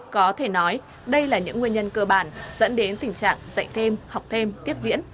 có thể nói đây là những nguyên nhân cơ bản dẫn đến tình trạng dạy thêm học thêm tiếp diễn